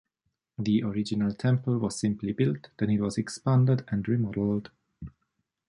The original temple was simply built, then it was expanded and remodeled.